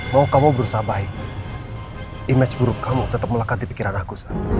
mau kamu berusaha baik image buruk kamu tetap melekat di pikiran aku